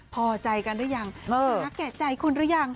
พอใจกันหรือยังแก่ใจคุณหรือยัง